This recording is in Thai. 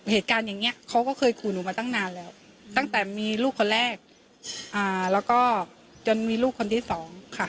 เหตุการณ์อย่างนี้เขาก็เคยขู่หนูมาตั้งนานแล้วตั้งแต่มีลูกคนแรกแล้วก็จนมีลูกคนที่สองค่ะ